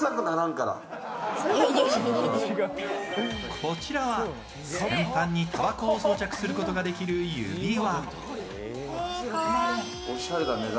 こちらは先端にたばこを装着することができる指輪。